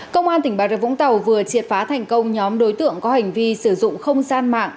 công an tp biên hòa vừa triệt phá thành công nhóm đối tượng có hành vi sử dụng không gian mạng